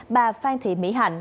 bà phan thị mỹ hạnh